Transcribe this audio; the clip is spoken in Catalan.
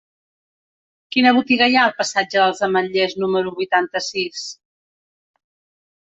Quina botiga hi ha al passatge dels Ametllers número vuitanta-sis?